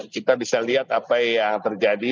kita bisa lihat apa yang terjadi